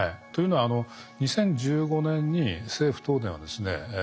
というのは２０１５年に政府・東電はですね